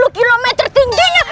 delapan puluh km tingginya